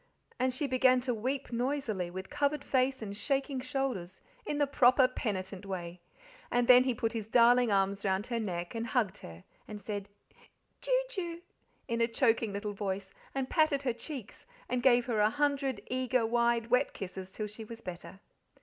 And she began to weep noisily, with covered face and shaking shoulders, in the proper, penitent way. And then he put his darling arms round her neck and hugged her, and said "Ju Ju" in a choking little voice, and patted her cheeks, and gave her a hundred eager, wide, wet kisses till she was better.